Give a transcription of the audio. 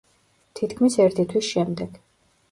თითქმის ერთი თვის შემდეგ.